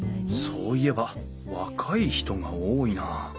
そういえば若い人が多いな。